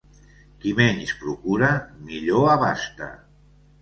Qui menys procura, millor abasta.